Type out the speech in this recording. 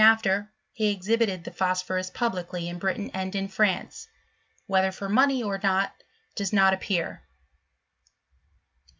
after, he eidiibited the phosphorus publicly in Britain and in France ; whether for money, or not, does not appear.